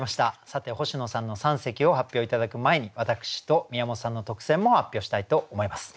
さて星野さんの三席を発表頂く前に私と宮本さんの特選も発表したいと思います。